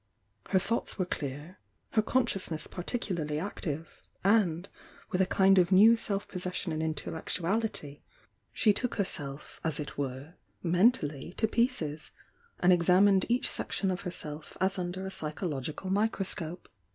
Her thoughts were clear; her consciousness particularly active, — and, with a kind of ne'v self possession and intellectuality, she took herself, as it were, mentally to pieces, and examined each section of herself as under a psychological microscope.